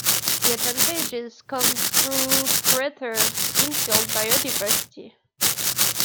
The advantages come through greater in-field biodiversity.